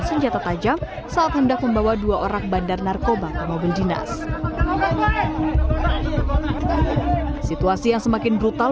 senjata tajam saat hendak membawa dua orang bandar narkoba ke mobil dinas situasi yang semakin brutal